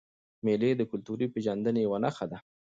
مېلې د کلتوري پیژندني یوه نخښه ده.